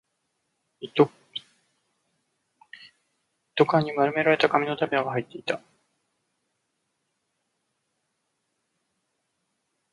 一斗缶には丸められた紙の束が入っていた